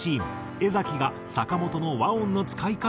江が坂本の和音の使い方に着目。